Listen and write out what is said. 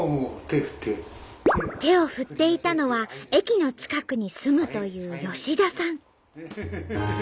手を振っていたのは駅の近くに住むという吉田さん。